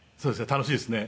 楽しいですね。